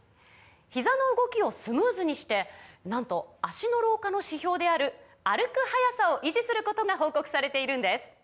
ひざの動きをスムーズにしてなんと脚の老化の指標である歩く速さを維持することが報告されているんです